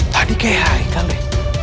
tadi kayak haikal ya